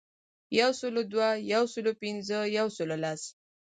یو سلو دوه، یو سلو پنځه ،یو سلو لس .